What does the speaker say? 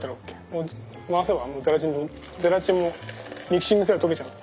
もう回せばゼラチンもミキシングすれば溶けちゃう。